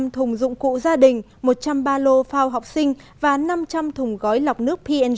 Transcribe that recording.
hai trăm linh thùng dụng cụ gia đình một trăm ba mươi lô phao học sinh và năm trăm linh thùng gói lọc nước png